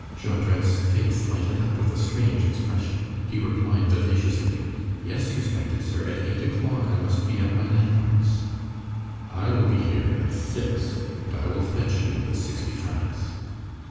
Jondrette's face lighted up with a strange expression. He replied vivaciously:— "Yes, respected sir. At eight o'clock, I must be at my landlord's." "I will be here at six, and I will fetch you the sixty francs."